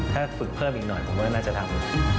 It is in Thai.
ถ้าฝึกเพิ่มอีกหน่อยผมว่าน่าจะทำ